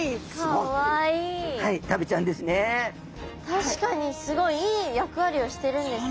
確かにすごいいい役割をしてるんですね。